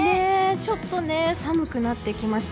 ちょっとね寒くなってきました。